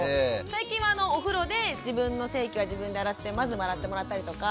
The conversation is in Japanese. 最近はお風呂で自分の性器は自分でまず洗ってもらったりとか。